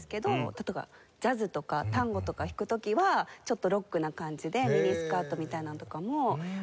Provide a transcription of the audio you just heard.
例えばジャズとかタンゴとかを弾く時はちょっとロックな感じでミニスカートみたいなのとかも変えますし。